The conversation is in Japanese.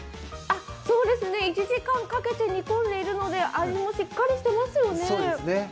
そうですね、１時間かけて煮込んでいるので味もしっかりしていますよね。